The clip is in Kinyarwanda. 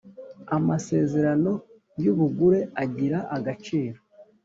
amasezerano yubugure agira agaciro